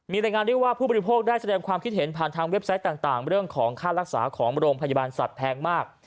มีรายงานได้ว่าผู้บริโภคได้แสดงความคิดเห็นผ่านทางเว็บไซต์ต่างเรื่องของค่ารักษาของโรงพยาบาลสัตว์แพงมาก